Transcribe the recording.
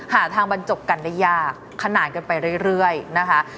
หาทางบรรจบกันได้ยากขนานกันไปเรื่อยนะคะ